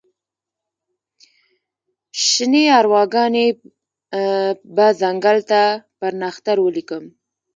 شني ارواګانې به ځنګل ته پر نښتر ولیکم